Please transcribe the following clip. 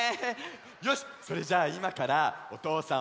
よしっそれじゃあいまからおとうさん